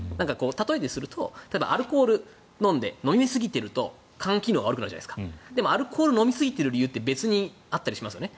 例えるとアルコール飲んで飲みすぎていると肝機能が悪くなるでもアルコールを飲みすぎている理由って別にあったりしますよね。